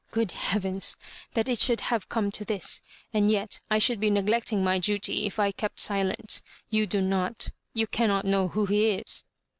Good heavens 1 that it should have come to this ; and yet I should be neglecting my duty if I kept silent. You do not — ^you cannot know who he is."